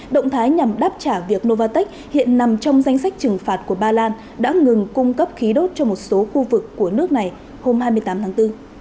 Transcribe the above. động thái nhằm đáp trả việc novartek hiện nằm trong danh sách trừng phạt của ba lan đã ngừng cung cấp khí đốt cho một số khu vực của nước này hôm hai mươi tám tháng bốn